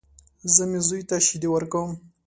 زه مې زوی ته شيدې ورکوم.